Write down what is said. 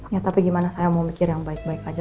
ya tapi gimana saya mau mikir yang baik baik aja